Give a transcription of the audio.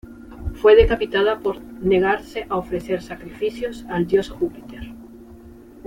Fue decapitada por negarse a ofrecer sacrificios al dios Júpiter.